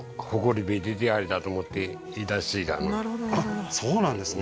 あっそうなんですね